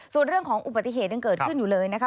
ส่วนเรื่องของอุบัติเหตุยังเกิดขึ้นอยู่เลยนะคะ